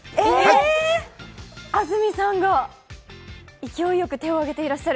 安住さんが、勢いよく手を挙げてらっしゃる。